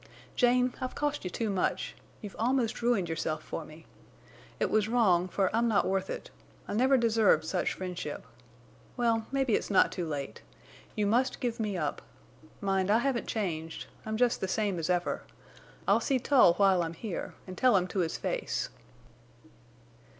"Jane I've cost you too much. You've almost ruined yourself for me. It was wrong, for I'm not worth it. I never deserved such friendship. Well, maybe it's not too late. You must give me up. Mind, I haven't changed. I am just the same as ever. I'll see Tull while I'm here, and tell him to his face."